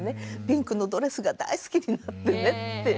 ピンクのドレスが大好きになってね